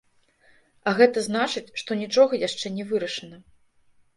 А гэта значыць, што нічога яшчэ не вырашана.